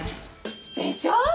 でしょ？